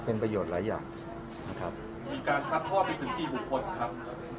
เป็นประโยชน์หลายอย่างนะครับมีการซัดทอดไปถึงกี่บุคคลครับ